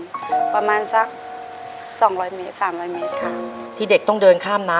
ในแคมเปญพิเศษเกมต่อชีวิตโรงเรียนของหนู